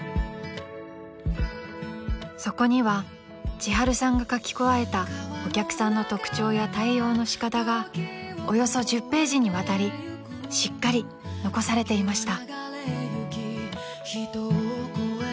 ［そこにはちはるさんが書き加えたお客さんの特徴や対応の仕方がおよそ１０ページにわたりしっかり残されていました］